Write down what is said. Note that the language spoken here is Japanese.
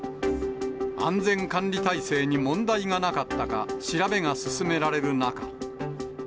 安全管理体制に問題がなかったか調べが進められる中。